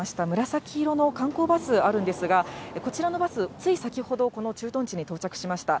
紫色の観光バスあるんですが、こちらのバス、つい先ほど、この駐屯地に到着しました。